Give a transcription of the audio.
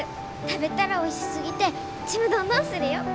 食べたらおいしすぎてちむどんどんするよ！